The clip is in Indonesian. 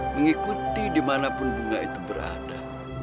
mengikuti dimanapun bunga itu berada